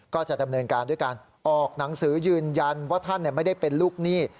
ก็จะดำเนินการด้วยการออกหนังสือยืนยันว่าท่านไม่ได้เป็นลูกหนี้